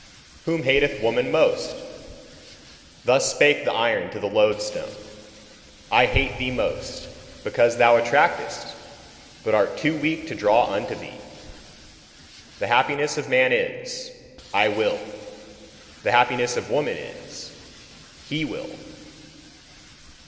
Whom hateth woman most? Thus spake the iron to the loadstone: "I hate thee most, because thou attractest, but art too weak to draw unto thee." The happiness of man is, "I will." The happiness of woman is, "He will."